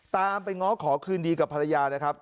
ตามไปง้อขอคืนดีกับภรรยานะครับ